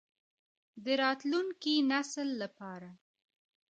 د راتلونکي نسل لپاره.